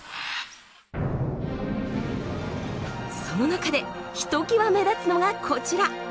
その中でひときわ目立つのがこちら。